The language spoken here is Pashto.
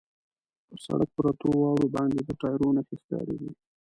پر سړک پرتو واورو باندې د ټایرو نښې ښکارېدې.